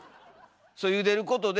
それゆでることで